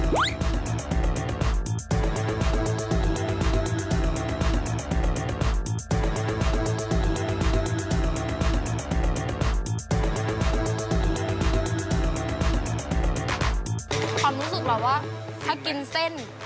ความรู้สึกเราว่าถ้ากินเส้น